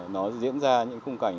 nó diễn ra những khung cảnh